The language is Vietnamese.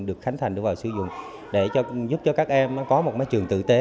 được khánh thành đưa vào sử dụng để giúp cho các em có một mấy trường tử tế